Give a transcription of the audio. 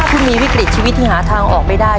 คุณมีวิกฤตชีวิตที่หาทางออกไม่ได้